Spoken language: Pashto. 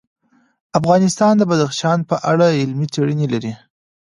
افغانستان د بدخشان په اړه علمي څېړنې لري.